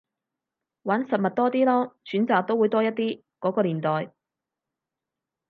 玩實物多啲囉，選擇都會多一啲，嗰個年代